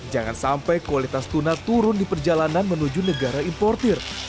jangan sampai kualitas tuna turun di perjalanan menuju negara importer